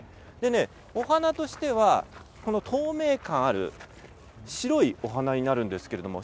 お花としては、透明感のある白いお花になるんですよね。